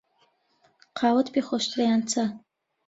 قاوەت پێ خۆشترە یان چا؟